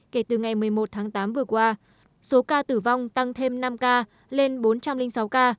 kể từ ngày một mươi một tháng tám vừa qua số ca tử vong tăng thêm năm ca lên bốn trăm linh sáu ca